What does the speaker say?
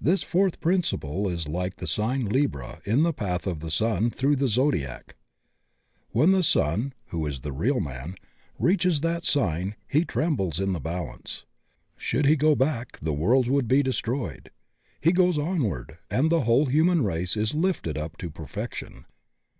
This fourth principle is like the sign Libra in the path of the Sun through the Zodiac; when the Sun (who is the real man) reaches that sign he trem bles in the balance. Should he go back the worlds would be destroyed; he goes onward, and the whole human race is lifted up to perfection.